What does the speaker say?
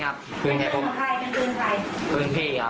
เป็นใครเป็นพื้นใครพื้นพี่ครับเป็นพี่พื้นพี่ทะเบียนไหม